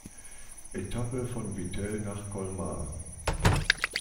Etappe von Vittel nach Colmar.